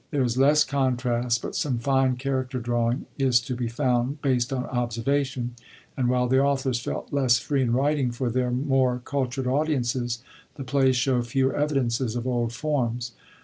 There is less contrast, but some fine chaiucter drawing is to be found, based on observation ; and while the authors felt less free in writing for their more cultured audiences, the plays show fewer evidences of old forms.